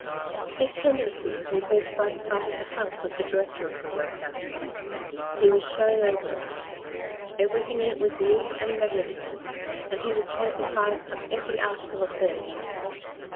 This tendency was increased by the sight of the house of the director of the workhouse. He was shown over it. Everything in it was new and magnificent, and he was told the price of every article of furniture.